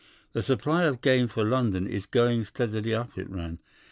'The supply of game for London is going steadily up,' it ran.